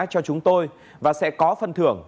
cho chúng tôi và sẽ có phân thưởng